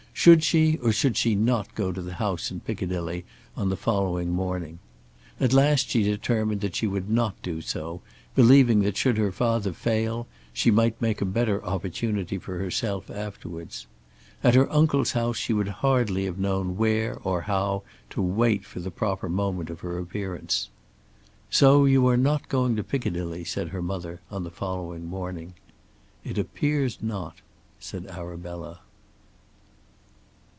Should she or should she not go to the house in Piccadilly on the following morning? At last she determined that she would not do so, believing that should her father fail she might make a better opportunity for herself afterwards. At her uncle's house she would hardly have known where or how to wait for the proper moment of her appearance. "So you are not going to Piccadilly," said her mother on the following morning. "It appears not," said Arabella.